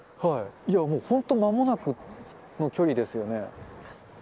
いや、もう本当まもなくの距離ですよね。